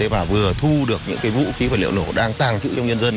và vừa thu được những vũ khí và liệu nổ đang tàng trữ trong nhân dân